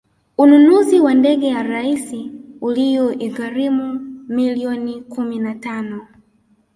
ununuzi wa ndege ya rais uliyoigharimu milioni kumi na tano